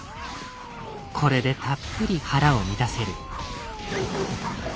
これでたっぷり腹を満たせる。